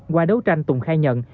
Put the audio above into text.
qua đấu tranh tùng khai nhận